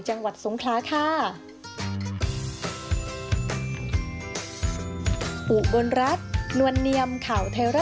จังหวัดสงคลาค่ะ